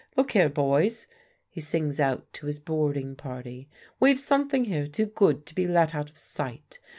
Look here, boys," he sings out to his boarding party, "we've something here too good to be let out of sight.